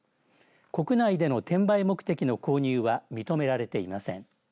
国内での転売目的の購入は認められていません。